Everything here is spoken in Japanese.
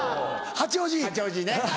八王子ね。